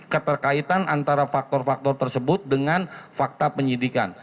keterkaitan antara faktor faktor tersebut dengan fakta penyidikan